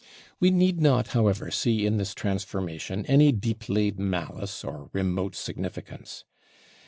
We need not, however, see in this transformation any deep laid malice or remote significance.